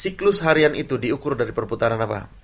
siklus harian itu diukur dari perputaran apa